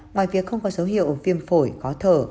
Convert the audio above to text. ngoài việc không có dấu hiệu viêm phổi khó thở